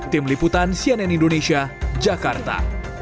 tim liputan cnn indonesia jakarta